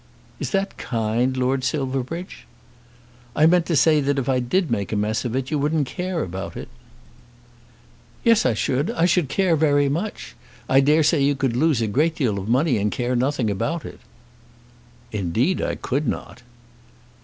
"Is that kind, Lord Silverbridge?" "I meant to say that if I did make a mess of it you wouldn't care about it." "Yes, I should. I should care very much. I dare say you could lose a great deal of money and care nothing about it." "Indeed I could not."